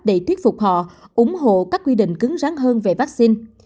để thuyết phục họ ủng hộ các quy định cứng rắn hơn về vaccine